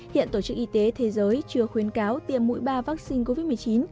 hiện tổ chức y tế thế giới chưa khuyến cáo tiêm mũi ba vaccine covid một mươi chín